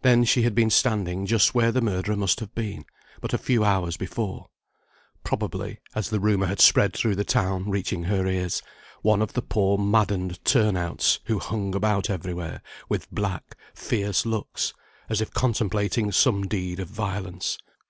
Then she had been standing just where the murderer must have been but a few hours before; probably (as the rumour had spread through the town, reaching her ears) one of the poor maddened turn outs, who hung about everywhere, with black, fierce looks, as if contemplating some deed of violence.